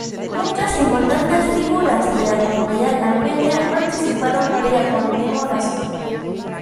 Muchas importantes figuras de la comunidad armenia participaron de la conmemoración.